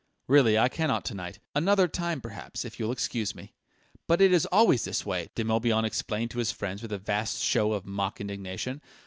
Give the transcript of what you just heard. "Really I cannot to night. Another time perhaps, if you'll excuse me." "But it is always this way!" De Morbihan explained to his friends with a vast show of mock indignation.